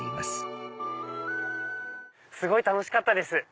すごい楽しかったです